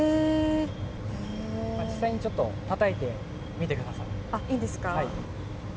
実際にちょっとたたいてみてください。